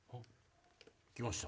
来ました。